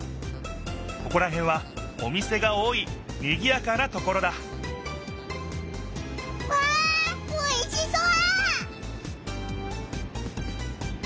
ここらへんはお店が多いにぎやかなところだわあおいしそう！